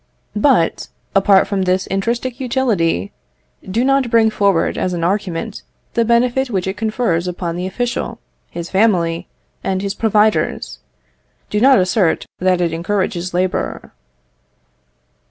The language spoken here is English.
But, apart from this intrinsic utility, do not bring forward as an argument the benefit which it confers upon the official, his family, and his providers; do not assert that it encourages labour.